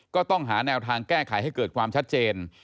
ก็ต้องหาแนวทางแก้ไขให้เกิดความชัดเจน